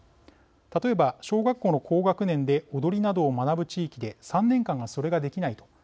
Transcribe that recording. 例えば小学校の高学年で踊りなどを学ぶ地域で３年間それができないと。